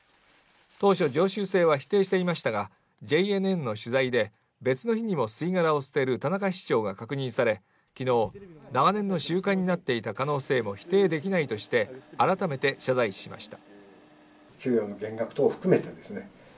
当初、常習性は否定していましたがＪＮＮの取材で別の日にも吸い殻を捨てる田中市長が確認され昨日、長年の習慣になっていた可能性も否定できないと改めて謝罪しました。